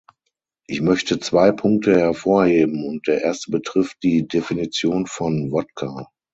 Ich möchte zwei Punkte hervorheben, und der erste betrifft die Definition von Wodka.